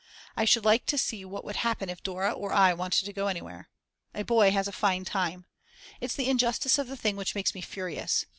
I should like to see what would happen if Dora or I wanted to go anywhere. A boy has a fine time. It's the injustice of the thing which makes me furious.